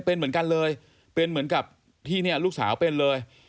เป็นเหมือนกันเลยเป็นเหมือนกับที่เนี่ยลูกสาวเป็นเลย